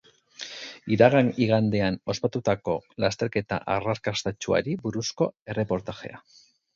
Iragan igandean ospatutako lasterketa arrakastatsuari buruzko erreportajea.